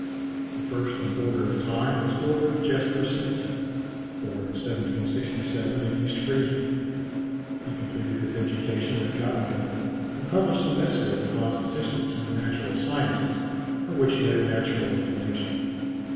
The first in order of time was Ulric Jasper Seetzen, born in 1767 in East Friesland; he completed his education at Göttingen, and published some essays upon statistics and the natural sciences, for which he had a natural inclination.